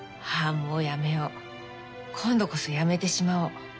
もうやめよう今度こそやめてしまおう。